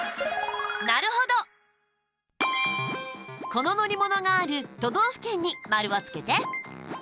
この乗り物がある都道府県に丸をつけて。